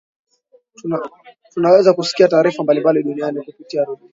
tunaweza kusikia taarifa mbalimbali duniani kupitia redio